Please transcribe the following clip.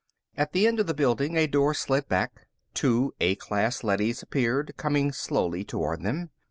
At the end of the building, a door slid back. Two A class leadys appeared, coming slowly toward them.